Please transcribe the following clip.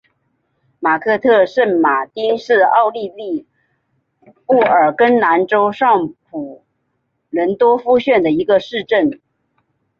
马克特圣马丁是奥地利布尔根兰州上普伦多夫县的一个市镇。